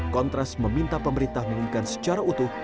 kontras meminta pemerintah mengumumkan secara utuh